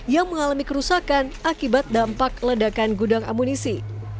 yang mengalami kerusakan akibat dampak ledakan gudang amunisi